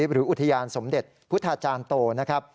หรืออุทยานสมเด็จพุทธาจารย์โตนะครับ